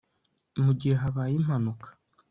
mu gihe habaye impanuka